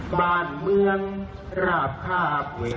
บ้านเมืองราบฆาตเวทย์